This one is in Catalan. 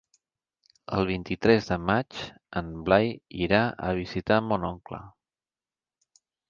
El vint-i-tres de maig en Blai irà a visitar mon oncle.